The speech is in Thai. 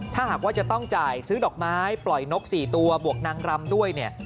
ถ้าหากว่าจะต้องจ่ายซื้อดอกไม้ปล่อยนก๔ตัวบวกนางรำด้วยเนี่ย